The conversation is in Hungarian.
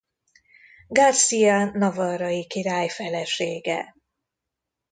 García navarrai király felesége.